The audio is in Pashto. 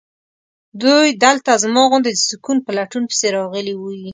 دوی دلته زما غوندې د سکون په لټون پسې راغلي وي.